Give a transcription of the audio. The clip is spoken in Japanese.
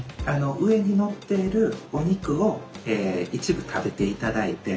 上に載っているお肉を一部食べていただいて。